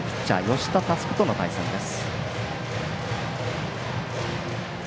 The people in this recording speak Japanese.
吉田佑久との対戦です。